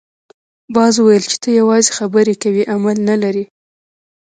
باز وویل چې ته یوازې خبرې کوې عمل نه لرې.